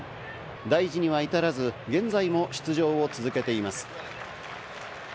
大事には至らず、現在も出場を続けています。